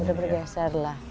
sudah bergeser lah